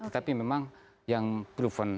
tapi memang yang proven